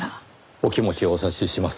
お気持ちお察しします。